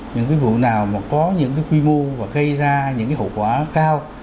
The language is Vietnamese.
những cái vụ nào mà có những cái quy mô và gây ra những cái hậu quả cao